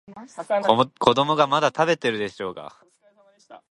子供がまだ食べてるでしょうが。